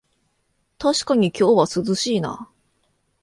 たしかに今日は涼しいな